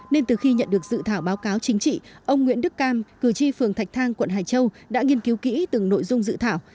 nên từ khi nhận được dự thảo báo cáo chính trị ông nguyễn đức cam cử tri phường thạch thang quận hải châu đã nghiên cứu kỹ từng nội dung dự thảo